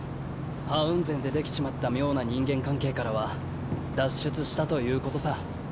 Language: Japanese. ハウンゼンでできちまった妙な人間関係からは脱出したということさ。